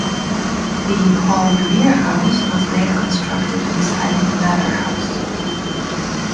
The Paul Revere House was later constructed on the site of the Mather House.